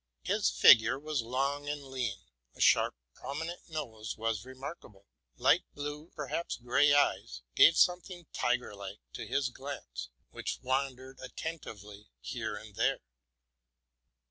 His figure was long and lean; a sharp, prominent nose was remarkable ; light blue, perhaps gray, eyes gave something tiger like to his glance, which wandered attentively here and there.